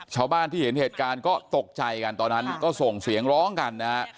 ชาวบ้านที่เห็นเหตุการณ์ก็ตกใจกันตอนนั้นก็ส่งเสียงร้องกันนะฮะ